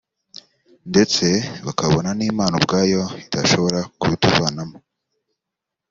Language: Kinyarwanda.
ndetse bakabona n’Imana ubwayo itashobora kubituvanamo